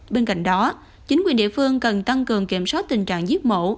bên cạnh đó chính quyền địa phương cần tăng cường kiểm soát tình trạng giết mổ